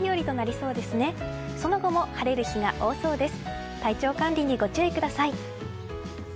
その後も晴れる日がおおそうです。